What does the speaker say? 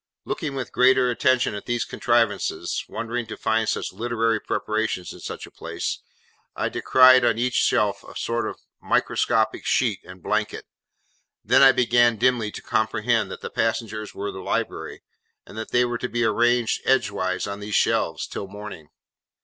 Looking with greater attention at these contrivances (wondering to find such literary preparations in such a place), I descried on each shelf a sort of microscopic sheet and blanket; then I began dimly to comprehend that the passengers were the library, and that they were to be arranged, edge wise, on these shelves, till morning.